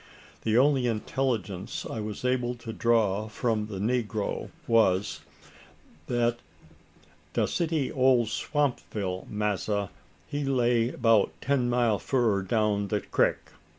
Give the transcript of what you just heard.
The only intelligence I was able to draw from the negro was that; "da `city' o' Swampville, massr, he lay 'bout ten mile furrer down da crik."